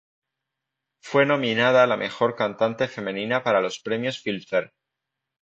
Fue nominada a la Mejor Cantante Femenina para los premios Filmfare.